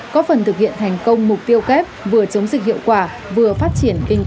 có phần thực hiện thành công mục tiêu kép vừa chống dịch hiệu quả vừa phát triển kinh tế